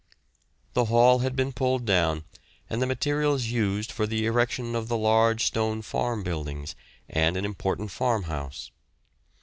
The Hall had been pulled down and the materials used for the erection of the large stone farm buildings and an important farm house.